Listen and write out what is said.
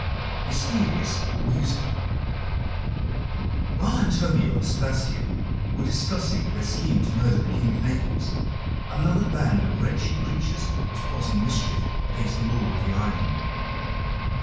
Mysterious Music While Antonio and Sebastian were discussing their scheme to murder the King of Naples, another band of wretched creatures was plotting mischief against the lord of the island.